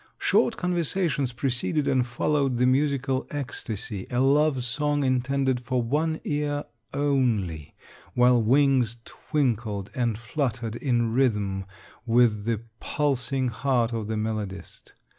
Short conversations preceded and followed the musical ecstasy, a love song intended for one ear only, while wings twinkled and fluttered in rhythm with the pulsing heart of the melodist.